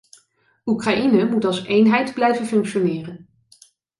Oekraïne moet als eenheid blijven functioneren.